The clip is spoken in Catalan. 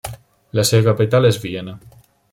La seva capital és Viena.